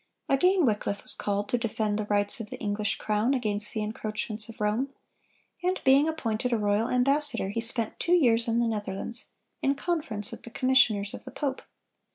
Again Wycliffe was called to defend the rights of the English crown against the encroachments of Rome; and being appointed a royal ambassador, he spent two years in the Netherlands, in conference with the commissioners of the pope.